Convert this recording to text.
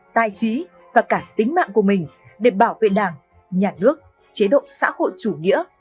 tài trí và cả tính mạng của mình để bảo vệ đảng nhà nước chế độ xã hội chủ nghĩa